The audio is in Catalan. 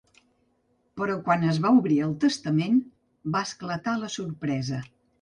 Però quan es va obrir el testament va esclatar la sorpresa.